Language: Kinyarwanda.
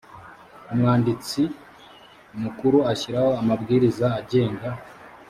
umwandisti mukuru ashyiraho amabwiriza agenga